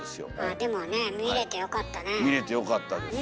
でもね見れてよかったね。